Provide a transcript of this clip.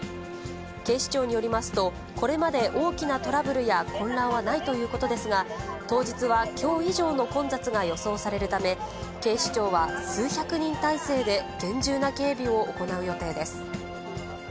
警視庁によりますと、これまで、大きなトラブルや混乱はないということですが、当日はきょう以上の混雑が予想されるため、警視庁は数百人態勢で、厳重な警備を行う予定です。